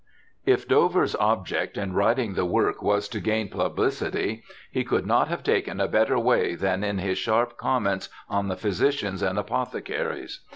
If Dover's object in writing the work was to gain pubHcity, he could not have taken a better way than in his sharp comments on the physicians and apothe caries.